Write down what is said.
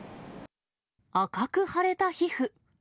赤く腫れた皮膚。